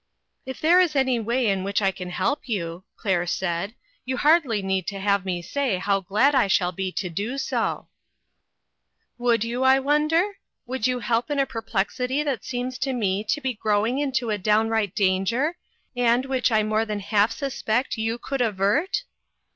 " If there is any way in which I can help you," Claire said, "you hardly need to have me say how glad I shall be to do so." 332 NEW LINES OF WORK. 333 " Would you, I wonder ? Would you help in a perplexity that seems to me to be grow ing into a downright danger, and which I more than half suspect you could avert?"